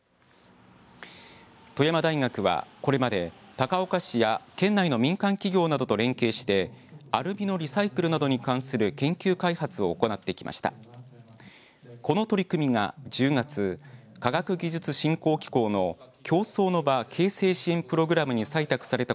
富山大学はこれまで高岡市や県内の民間企業などと連携してアルミのリサイクルなどに関する研究開発を行ってきました。